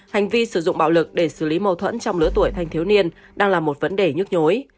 hành vi sử dụng bạo lực để xử lý mâu thuẫn trong lứa tuổi thanh thiếu niên đang là một vấn đề nhức nhối